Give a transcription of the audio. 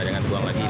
jangan buang lagi